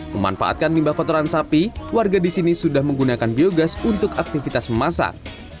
memanfaatkan limbah kotoran sapi warga di sini sudah menggunakan biogas untuk aktivitas memasak